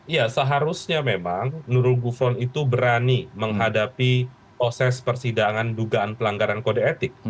ya seharusnya memang nurul gufron itu berani menghadapi proses persidangan dugaan pelanggaran kode etik